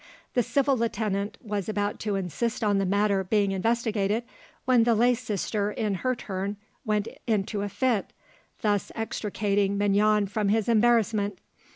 The civil lieutenant was about to insist on the matter being investigated, when the lay sister in her turn went into a fit, thus extricating Mignon from his embarrassment.